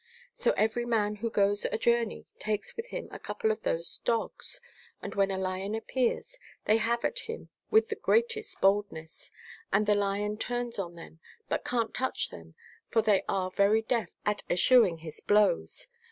"* So every man who goes a journey takes with him a cou|)le of those dogs, and when a lion appears they have at him with the greatest boldness, and the lion turns on them, but can't touch them for tliev are very deft at eschewing his blows.